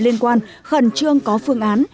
liên quan khẩn trương có phương án